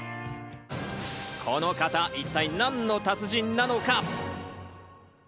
この方、一体何の達人なのか？